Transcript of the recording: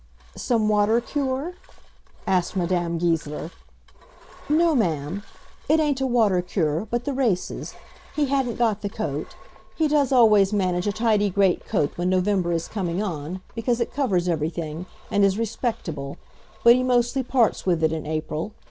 "Some water cure?" asked Madame Goesler. "No, Ma'am. It ain't a water cure, but the races. He hadn't got the coat. He does always manage a tidy great coat when November is coming on, because it covers everything, and is respectable, but he mostly parts with it in April.